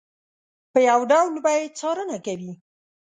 په یو ډول به یې څارنه کوي.